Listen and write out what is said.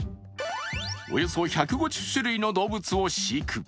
およそ１５０種類の動物を飼育。